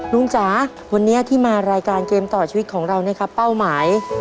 จ๋าวันนี้ที่มารายการเกมต่อชีวิตของเราเนี่ยครับเป้าหมาย